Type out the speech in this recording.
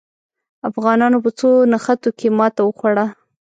افغانانو په څو نښتو کې ماته وخوړه.